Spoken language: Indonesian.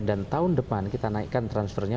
dan tahun depan kita naikkan transfernya